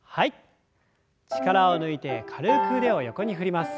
力を抜いて軽く腕を横に振ります。